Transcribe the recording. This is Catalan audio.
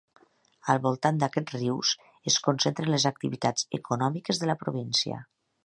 Al voltant d'aquests rius es concentren les activitats econòmiques de la província.